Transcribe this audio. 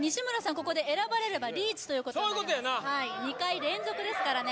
ここで選ばれればリーチそういうことやなはい２回連続ですからね